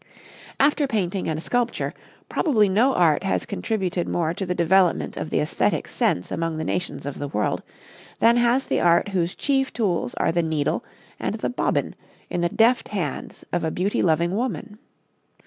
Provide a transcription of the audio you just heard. After painting and sculpture, probably no art has contributed more to the development of the esthetic sense among the nations of the world than has the art whose chief tools are the needle and the bobbin in the deft hands of a beauty loving woman.